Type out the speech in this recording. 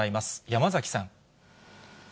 山崎さん。